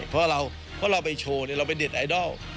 เพราะเราเราไปโชว์เนี่ยเราเป็นเด็ดไอดอล